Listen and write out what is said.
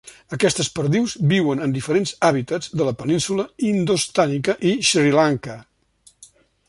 Aquestes perdius viuen en diferents hàbitats de la Península indostànica i Sri Lanka.